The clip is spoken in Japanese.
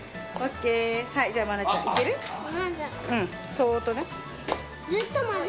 そっとね。